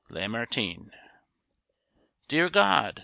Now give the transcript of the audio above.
—Lamartine. Dear God!